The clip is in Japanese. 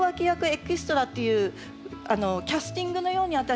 エキストラっていうキャスティングのように私。